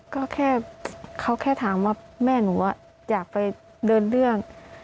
ก็แค่เขาแค่ถามว่าแม่หนูอยากไปเดินเรื่อง